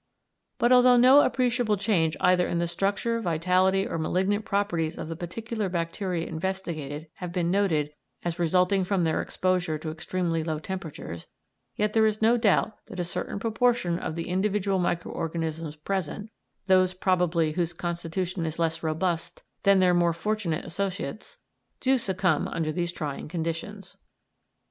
But although no appreciable change either in the structure, vitality, or malignant properties of the particular bacteria investigated have been noted as resulting from their exposure to extremely low temperatures, yet there is no doubt that a certain proportion of the individual micro organisms present those probably whose constitution is less robust than their more fortunate associates do succumb under these trying conditions.